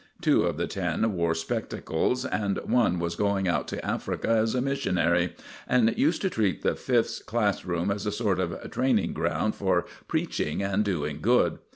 Two of the ten wore spectacles, and one was going out to Africa as a missionary, and used to treat the Fifth's class room as a sort of training ground for preaching and doing good.